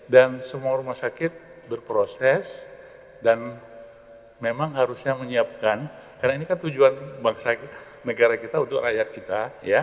dan semua rumah sakit berproses dan memang harusnya menyiapkan karena ini kan tujuan negara kita untuk rakyat kita